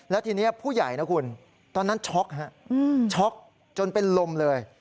แล้วทีนี้ผู้ใหญ่นะคุณตอนนั้นช็อกฮะช็อกจนเป็นลมเลย